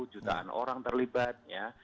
jutaan orang terlibat